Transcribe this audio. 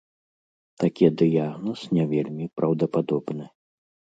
Такі дыягназ не вельмі праўдападобны.